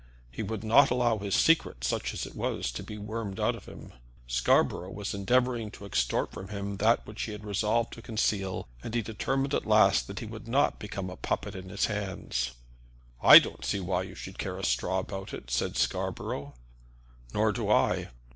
He would not allow his secret, such as it was, to be wormed out of him. Scarborough was endeavoring to extort from him that which he had resolved to conceal; and he determined at last that he would not become a puppet in his hands. "I don't see why you should care a straw about it," said Scarborough. "Nor do I."